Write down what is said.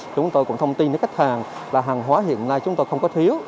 chúng tôi cũng thông tin cho khách hàng là hàng hóa hiện nay chúng tôi không có thiếu